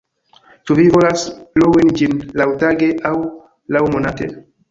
Ĉu vi volas lui ĝin laŭtage aŭ laŭmonate?